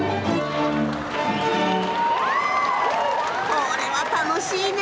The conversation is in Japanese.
これは楽しいね。